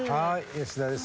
吉田です。